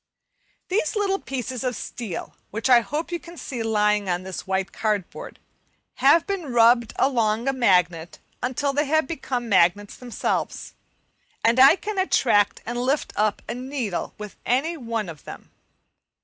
These little pieces of steel, which I hope you can see lying on this white cardboard, have been rubbed along a magnet until they have become magnets themselves, and I can attract and lift up a needle with any one of them.